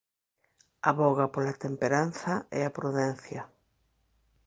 Avoga pola temperanza e a prudencia.